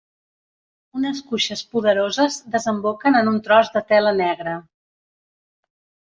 Unes cuixes poderoses desemboquen en un tros de tela negra.